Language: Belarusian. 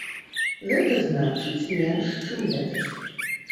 Гэта значыць, менш, чым летась.